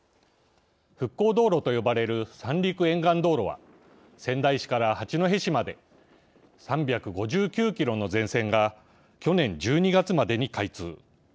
復興道路と呼ばれる三陸沿岸道路は仙台市から八戸市まで３５９キロの全線が去年１２月までに開通。